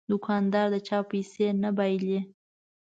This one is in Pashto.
دوکاندار د چا پیسې نه بایلي.